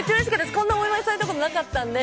こんなお祝いされたことなかったので。